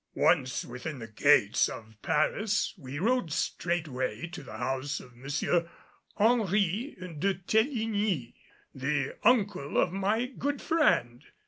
Once within the gates of Paris we rode straightway to the house of M. Henri de Teligny, the uncle of my good friend.